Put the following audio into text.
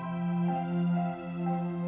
kakang mencintai dia kakang